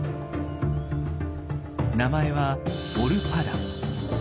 名前はオルパダン。